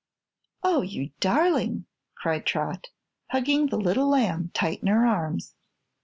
"Oh, you darling!" cried Trot, hugging the little lamb tight in her arms.